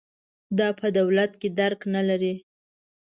دا په دولت کې درک نه لري.